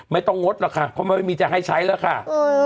ไม่ต้องงดหรอกค่ะเพราะไม่มีจังให้ใช้แล้วค่ะ